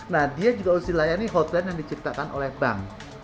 nah dia juga harus dilayani hotline yang diciptakan oleh bank